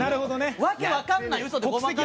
わけ分かんない。